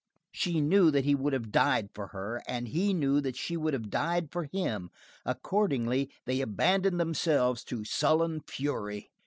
She knew that he would have died for her, and he knew that she would have died for him; accordingly they abandoned themselves to sullen fury.